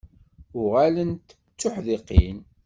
Uɣalent d tuḥdiqin.